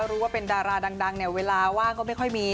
รู้ว่าเป็นดาราดังเนี่ยเวลาว่างก็ไม่ค่อยมี